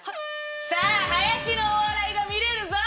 さあ林のお笑いが見れるぞ！